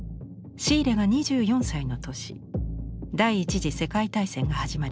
シーレが２４歳の年第一次世界大戦が始まります。